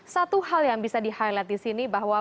satu hal yang bisa di highlight di sini bahwa